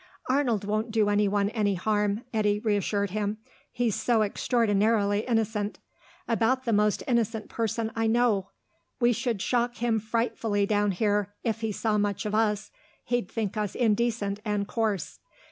"Arnold won't do anyone any harm," Eddy reassured him. "He's so extraordinarily innocent. About the most innocent person I know. We should shock him frightfully down here if he saw much of us; he'd think us indecent and coarse.